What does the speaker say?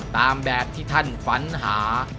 ตามแบบที่ท่านฝันหา